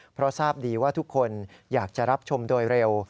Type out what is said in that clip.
เพราะทราบดีว่าทุกคนอยากจะรับชมโดยเร็ว